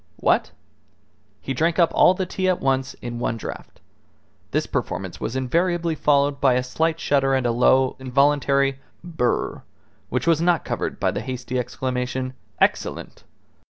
What?" He drank up all the tea at once in one draught. This performance was invariably followed by a slight shudder and a low, involuntary "br r r r," which was not covered by the hasty exclamation, "Excellent!"